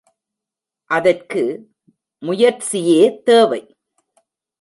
அதற்கு முயற்சியே தேவை.